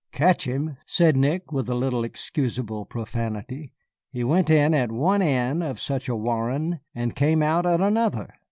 "Catch him!" said Nick, with a little excusable profanity; "he went in at one end of such a warren and came out at another.